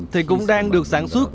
thì cũng đang được sản xuất